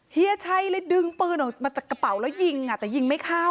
เฮียชัยเลยดึงปืนออกมาจากกระเป๋าแล้วยิงแต่ยิงไม่เข้า